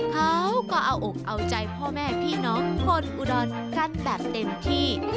เขาก็เอาอกเอาใจพ่อแม่พี่น้องคนอุดรกันแบบเต็มที่